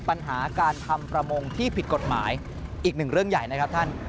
ปัญหาการทำประมงที่ผิดกฎหมายอีกหนึ่งเรื่องใหญ่นะครับท่าน